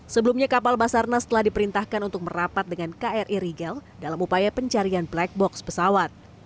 sebelumnya kapal basarnas telah diperintahkan untuk merapat dengan kri rigel dalam upaya pencarian black box pesawat